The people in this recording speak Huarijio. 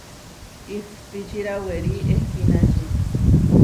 Ihpíčira werí ehkínači.